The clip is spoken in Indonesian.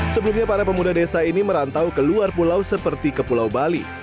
sebelumnya para pemuda desa ini merantau ke luar pulau seperti ke pulau bali